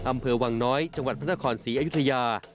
อำเภอวังน้อยจังหวัดพระนครศรีอยุธยา